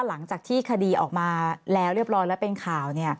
หลังจากที่คดีออกมาแล้วเรียบร้อยแล้วเป็นข่าว